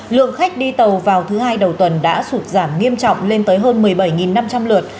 lượng khách đi tàu vào thứ hai đầu tuần đã sụt giảm nghiêm trọng lên tới hơn một mươi bảy năm trăm linh lượt